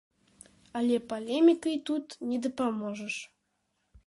Але палемікай тут не дапаможаш.